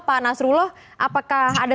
pak nasrullah apakah ada